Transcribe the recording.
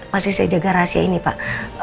masih saya jaga rahasia ini pak